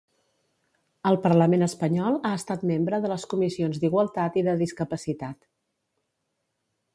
Al Parlament espanyol ha estat membre de les comissions d'Igualtat i de Discapacitat.